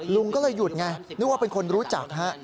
ลุงก็เลยหยุดไงนึกว่าเป็นคนรู้จักฮะ